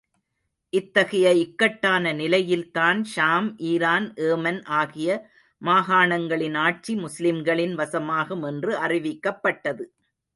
இத்தகைய இக்கட்டான நிலையில்தான் ஷாம், ஈரான், ஏமன் ஆகிய மாகாணங்களின் ஆட்சி முஸ்லிம்களின் வசமாகும் என்று அறிவிக்கப்பட்டது.